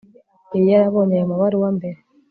yari yarabonye ayo mabaruwa mbere